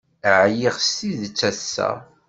Ɛyiɣ s tidet ass-a.